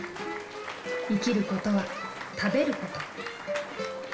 生きることは食べること。